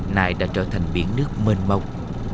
này đã trở thành biển nước mênh mông